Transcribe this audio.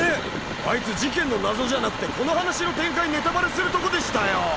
あいつ事件の謎じゃなくてこの話の展開ネタバレするとこでしたよ。